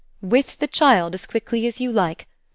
"With the child as quickly as you like.